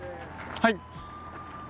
はい。